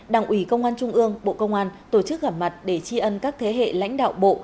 đảng ủy công an trung ương bộ công an tổ chức gặp mặt để tri ân các thế hệ lãnh đạo bộ